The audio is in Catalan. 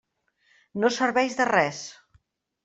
No serveix de res.